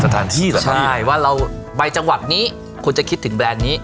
แต่เดือนใบจังหวัดเนี้ยคุณจะคิดถึงแบรนด์นี้